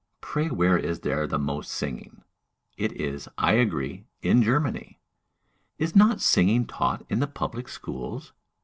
Pray where is there the most singing?" It is, I agree, in Germany. "Is not singing taught in the public schools?